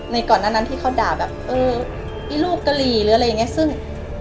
ในก่อนนั้นที่เขาด่าแบบเออพี่ลูกกะลีหรืออะไรอย่างเงี้ย